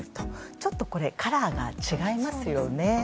ちょっとカラーが違いますよね。